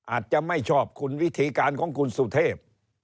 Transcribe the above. อาจจะไม่ชอบคุณวิธีการของคุณสุเทพ